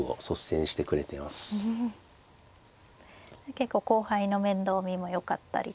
結構後輩の面倒見もよかったりとか。